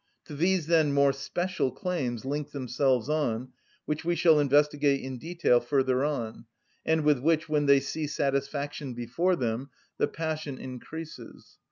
To these, then, more special claims link themselves on, which we shall investigate in detail further on, and with which, when they see satisfaction before them, the passion increases.